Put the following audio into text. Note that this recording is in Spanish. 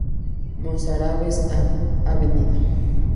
Mozárabes, Av.